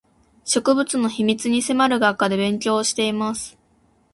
植物の秘密に迫る学科で勉強をしています